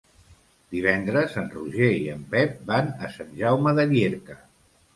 Divendres en Roger i en Pep van a Sant Jaume de Llierca.